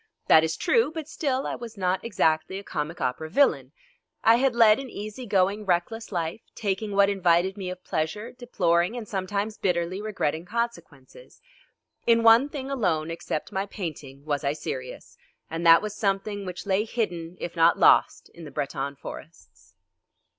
That is true, but still I was not exactly a comic opera villain. I had led an easy going reckless life, taking what invited me of pleasure, deploring and sometimes bitterly regretting consequences. In one thing alone, except my painting, was I serious, and that was something which lay hidden if not lost in the Breton forests.